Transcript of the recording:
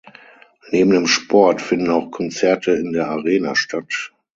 Neben dem Sport finden auch Konzerte in der Arena statt.